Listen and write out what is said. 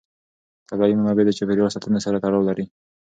طبیعي منابع د چاپېر یال ساتنې سره تړاو لري.